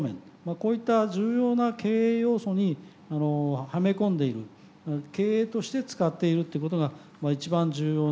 こういった重要な経営要素にはめ込んでいる経営として使っているっていうことが一番重要な事例です。